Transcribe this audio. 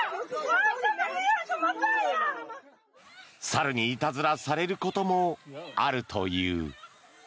猿にいたずらされることもあるという。